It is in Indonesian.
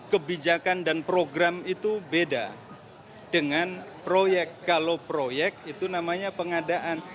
kebijakan dan program itu beda dengan proyek kalau proyek itu namanya pengadaan